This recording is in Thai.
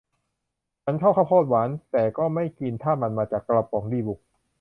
ฉันชอบข้าวโพดหวาน แต่ก็ไม่กินถ้ามันมาจากกระป๋องดีบุก